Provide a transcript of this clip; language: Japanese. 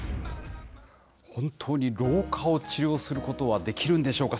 本当に老化を治療することはできるんでしょうか。